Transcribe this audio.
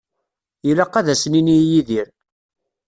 Ilaq ad as-nini i Yidir.